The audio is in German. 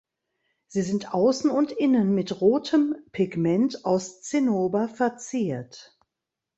Sie sind außen und innen mit rotem Pigment aus Zinnober verziert.